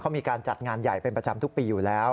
เขามีการจัดงานใหญ่เป็นประจำทุกปีอยู่แล้ว